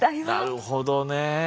なるほどね。